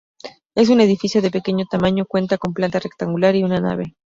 Es un edificio de pequeño tamaño, cuenta con planta rectangular y una nave.